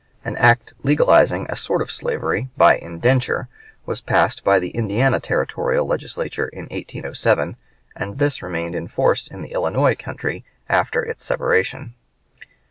An act legalizing a sort of slavery by indenture was passed by the Indiana territorial Legislature in 1807, and this remained in force in the Illinois country after its separation.